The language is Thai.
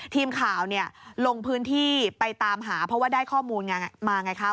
ทีมข่าวลงพื้นที่ไปตามหาเพราะว่าได้ข้อมูลมาไงคะ